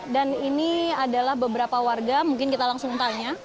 dan ini adalah beberapa warga mungkin kita langsung tanya